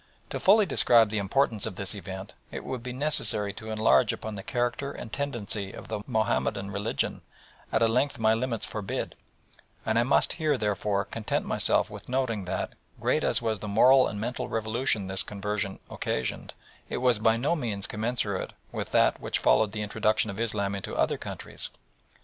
To fully describe the importance of this event it would be necessary to enlarge upon the character and tendency of the Mahomedan religion at a length my limits forbid, and I must here therefore content myself with noting that, great as was the moral and mental revolution this conversion occasioned, it was by no means commensurate with that which followed the introduction of Islam into other countries.